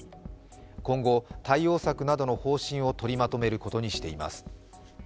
今後、対応策などの方針を取りまとめることにしています。